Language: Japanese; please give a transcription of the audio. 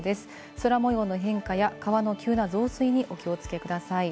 空模様の変化や川の急な増水にお気をつけください。